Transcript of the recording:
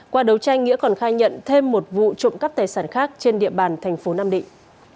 qua đấu tranh nghĩa còn khai nhận thêm một vụ trộm cắp tài sản khác trên địa bàn thành phố nam định